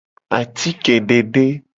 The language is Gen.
Atike dede.